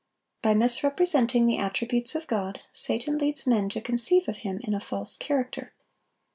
By misrepresenting the attributes of God, Satan leads men to conceive of Him in a false character.